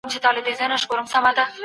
دا کیسه د لوست ارزښت بیانوي.